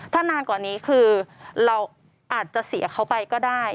ถ้านานกว่านี้คือเราอาจจะเสียเขาไปก็ได้